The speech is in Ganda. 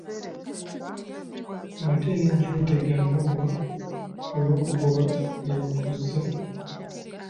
Ate ne gy'otega amaggwa bwe bakugoba gye bakuzza.